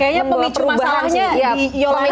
kayaknya pemicu masalahnya di yolanda itu